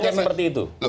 duga aja seperti itu